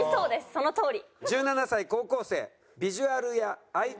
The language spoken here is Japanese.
そのとおり！